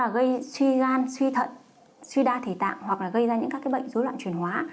gây suy gan suy thận suy đa thể tạng hoặc gây ra các bệnh dối loạn chuyển hóa